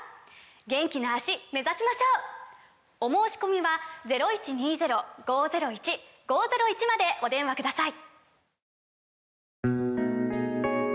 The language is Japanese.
元気な脚目指しましょう！お申込みはお電話ください